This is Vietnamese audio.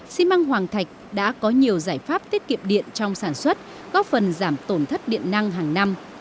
xi măng hoàng thạch đã có nhiều giải pháp tiết kiệm điện trong sản xuất góp phần giảm tổn thất điện năng hàng năm